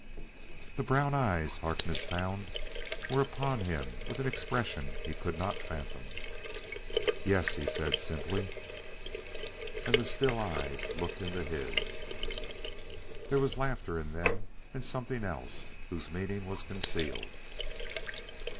The brown eyes, Harkness found, were upon his with an expression he could not fathom. "Yes," he said simply. And still the eyes looked into his. There was laughter in them, and something else whose meaning was concealed.